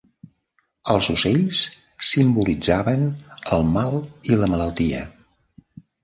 Els ocells simbolitzaven el mal i la malaltia.